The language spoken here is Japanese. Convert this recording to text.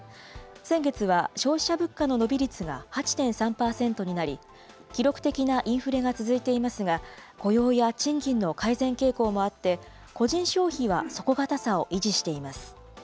先月は、消費者物価の伸び率が８．３％になり、記録的なインフレが続いていますが、雇用や賃金の改善傾向もあって、個人消費は底堅さを維持しています。